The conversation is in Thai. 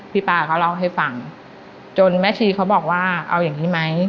ป้าเขาเล่าให้ฟังจนแม่ชีเขาบอกว่าเอาอย่างนี้ไหม